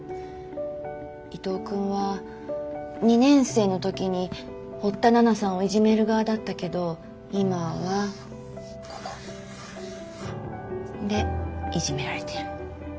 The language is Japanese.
伊藤君は２年生の時に堀田奈々さんをいじめる側だったけど今はここ。んでいじめられてる。